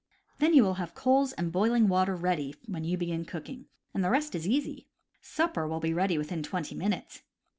P Then you will have coals and boiling water ready when you begin cooking, and the rest is easy — supper will be ready within twenty minutes.